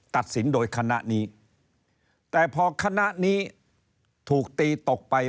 ตัดสินโดยคณะนี้แต่พอคณะนี้ถูกตีตกไป